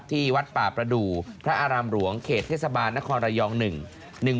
ที่วัดป่าประดูกพระอารามหลวงเขตเทศบาลนครระยองหนึ่ง